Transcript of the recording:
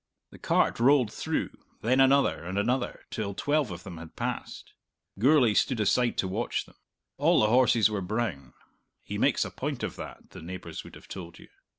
The cart rolled through, then another, and another, till twelve of them had passed. Gourlay stood aside to watch them. All the horses were brown; "he makes a point of that," the neighbours would have told you.